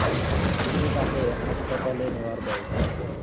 তিনি তাঁকে হাসপাতালে নেওয়ার ব্যবস্থা করেন।